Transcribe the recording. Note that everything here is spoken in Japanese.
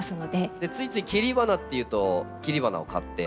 ついつい切り花っていうと切り花を買ってくる。